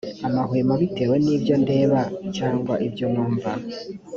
amahwemo bitewe n ibyo ndeba cyangwa ibyo numva